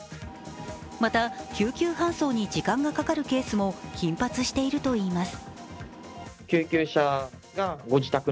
また、救急搬送に時間がかかるケースも頻発しているといいます。